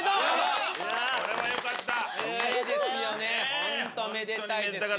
ホントめでたいですよ。